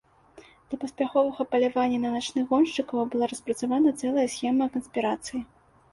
Для паспяховага палявання на начных гоншчыкаў была распрацавана цэлая схема канспірацыі.